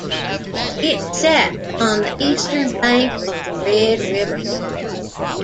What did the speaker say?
It sets on the eastern bank of the Red River.